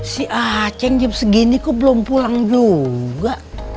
si aceng jam segini kok belum pulang juga